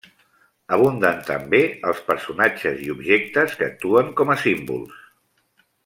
Abunden també els personatges i objectes que actuen com a símbols.